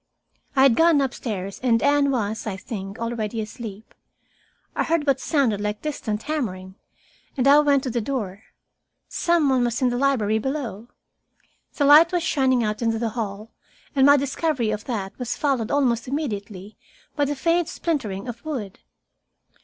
I had gone upstairs, and Anne was, I think, already asleep. I heard what sounded like distant hammering, and I went to the door. Some one was in the library below. The light was shining out into the hall, and my discovery of that was followed almost immediately by the faint splintering of wood.